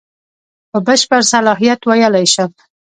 په بشپړ صلاحیت ویلای شم.